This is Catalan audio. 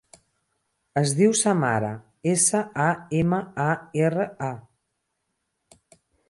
Es diu Samara: essa, a, ema, a, erra, a.